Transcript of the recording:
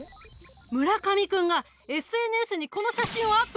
村上君がＳＮＳにこの写真をアップしたんだ！